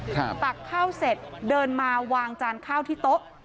ตักข้าวเสร็จเดินมาวางจานข้าวที่โต๊ะ